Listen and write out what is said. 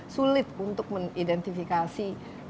sulit untuk mengidentifikasi